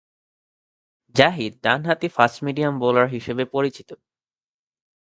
জাহিদ ডানহাতি fast medium bowler হিসেবে পরিচিত।